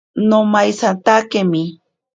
Nomaisatakemi.